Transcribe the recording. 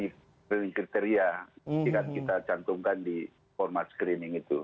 ini kriteria yang kita cantumkan di format screening itu